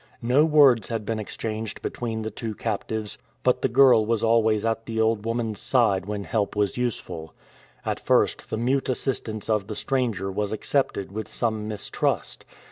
No words had been exchanged between the two captives, but the girl was always at the old woman's side when help was useful. At first the mute assistance of the stranger was accepted with some mistrust.